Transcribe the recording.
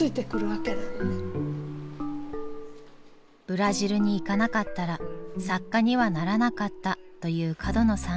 「ブラジルに行かなかったら作家にはならなかった」という角野さん。